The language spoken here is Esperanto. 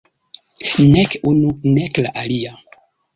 Nek unu nek la alia.